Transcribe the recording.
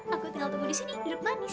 aku tinggal tunggu di sini hidup manis